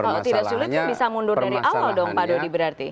kalau tidak sulit bisa mundur dari awal dong pak dodi berarti